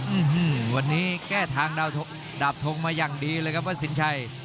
อืมวันนี้แก้ทางดาบทงมาอย่างดีเลยครับวัดสินชัย